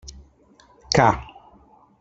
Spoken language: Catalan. Ca!